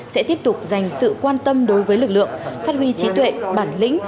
sẽ tiếp tục dành sự quan tâm đối với lực lượng phát huy trí tuệ bản lĩnh